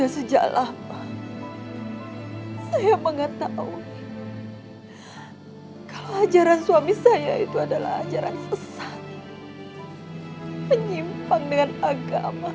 kalian semua berada di jalan yang benar